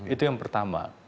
itu yang pertama